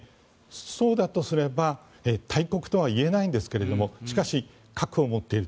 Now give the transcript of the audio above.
そうだとすれば大国とは言えないんですがしかし、核を持っている